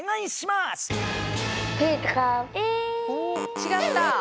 違った？